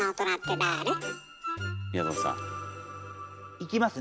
いきますね。